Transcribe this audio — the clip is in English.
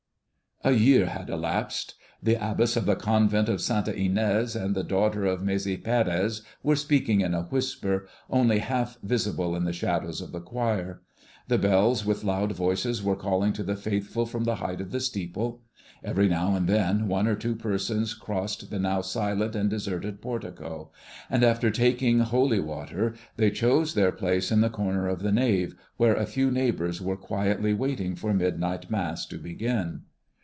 A year had elapsed. The abbess of the convent of Santa Inés and the daughter of Maese Pérez were speaking in a whisper, only half visible in the shadows of the choir. The bells with loud voices were calling to the faithful from the height of the steeple. Every now and then one or two persons crossed the now silent and deserted portico; and after taking holy water, they chose their place in the corner of the nave, where a few neighbors were quietly waiting for midnight Mass to begin.